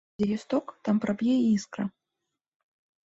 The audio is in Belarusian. Дзе ёсць ток, там праб'е і іскра.